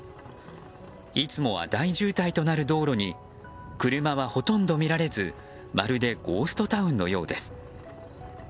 いつもは大渋滞となる道路に車はほとんど見られずまるでゴーストタウンのようです。